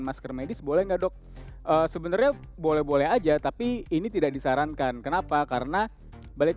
masker medis boleh nggak dok sebenarnya boleh boleh aja tapi ini tidak disarankan kenapa karena balik